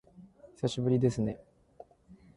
久しぶりですね